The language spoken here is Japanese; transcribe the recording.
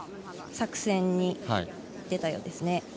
作戦に出たようです。